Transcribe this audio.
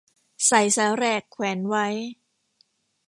ใส่สาแหรกแขวนไว้